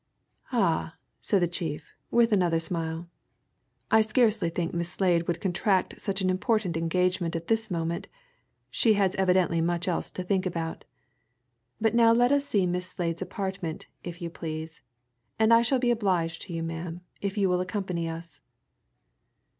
"Ah!" said the chief, with another smile. "I scarcely think Miss Slade would contract such an important engagement at this moment, she has evidently much else to think about. But now let us see Miss Slade's apartment, if you please, and I shall be obliged to you, ma'am, if you will accompany us."